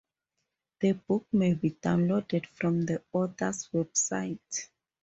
The book may be downloaded from the author's website.